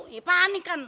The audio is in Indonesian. ya panik kan